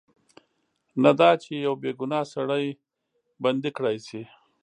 نه دا چې یو بې ګناه سړی بندي کړای شي.